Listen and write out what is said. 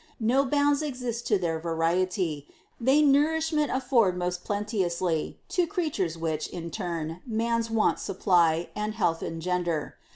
No bounds exist to their variety. They nourishment afford most plenteously To creatures which, in turn, man's wants supply And health engender.